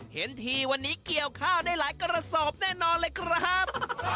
เห็นทีวันนี้เกี่ยวข้าวได้หลายกระสอบแน่นอนเลยครับ